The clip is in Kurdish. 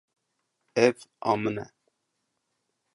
Ev a min e.